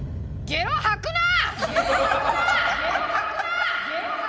ゲロ吐くな！」